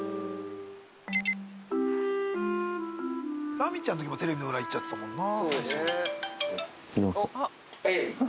ラミちゃんの時もテレビの裏行っちゃってたもんなぁ。